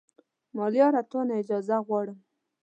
ملیاره تا نه اجازه غواړم